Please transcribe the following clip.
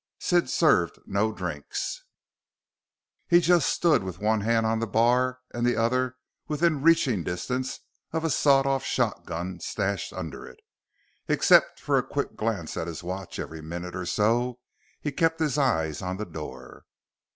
Sid served no drinks. He just stood with one hand on the bar and the other within reaching distance of a sawed off shotgun stashed under it. Except for a quick glance at his watch every minute or so, he kept his eyes on the door.